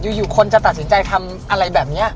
อยู่คนจะตัดสินใจทำอะไรแบบนี้